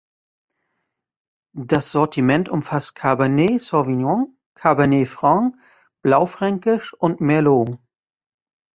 Das Sortiment umfasst Cabernet Sauvignon, Cabernet Franc, Blaufränkisch und Merlot.